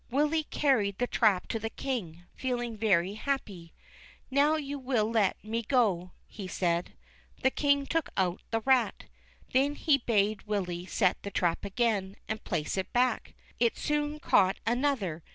Willy carried the trap to the King, feeling very happy. " Now you will let me go," he said. The King took out the rat. Then he bade Willy set the trap again, and place it back. It soon caught another.